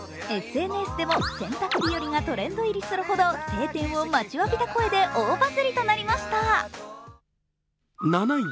ＳＮＳでも洗濯日和がトレンド入りするなど、晴天を待ちわびた声で大バズリとなりました。